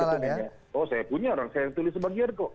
oh saya punya saya tulis sebagian kok